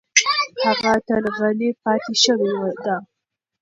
هغه تل غلې پاتې شوې ده.